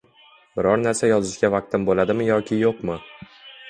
Biror narsa yozishga vaqtim bo'ladimi yoki yo'qmi.